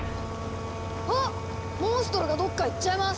あっモンストロがどっか行っちゃいます！